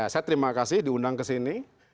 saya terima kasih diundang ke sini